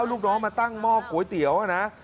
ลูกน้องมาตั้งหม้อก๋วยเตี๋ยวนะ